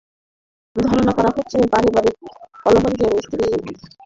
ধারণা করা হচ্ছে, পারিবারিক কলহের জেরে স্ত্রীকে বেঁধে সাইফুল আত্মহত্যা করেছেন।